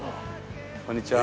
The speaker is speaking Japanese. こんにちは。